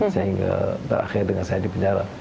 sehingga berakhir dengan saya di penjara